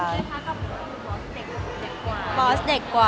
คุณค่ะกับบอสเด็กกว่า